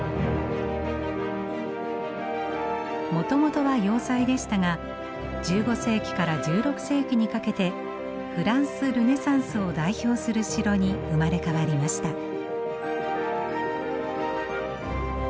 もともとは要塞でしたが１５世紀から１６世紀にかけてフランスルネサンスを代表する城に生まれ変わりました。